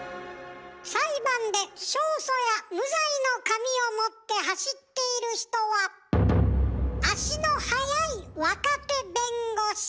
裁判で勝訴や無罪の紙を持って走っている人は足の速い若手弁護士！